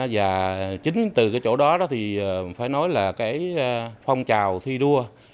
và chính từ cái chỗ đó thì phải nói là cái phong trào thi đua